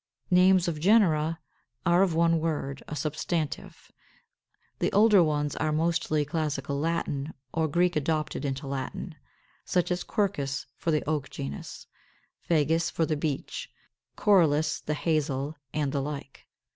536. =Names of Genera= are of one word, a substantive. The older ones are mostly classical Latin, or Greek adopted into Latin; such as Quercus for the Oak genus, Fagus for the Beech, Corylus, the Hazel, and the like.